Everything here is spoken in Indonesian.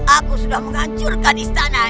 aku sudah berbicara